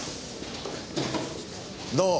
どう？